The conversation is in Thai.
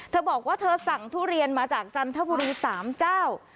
เธอบอกว่าเธอสั่งทุเรียนมาจากจันทบุรี๓เจ้า